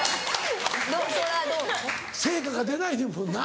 成果が出ないねんもんな。